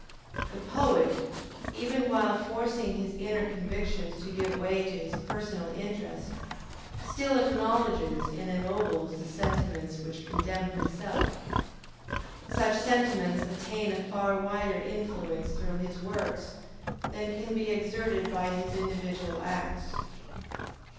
The poet, even while forcing his inner convictions to give way to his personal interest, still acknowledges and ennobles the sentiments which condemn himself; such sentiments attain a far wider influence through his works than can be exerted by his individual acts.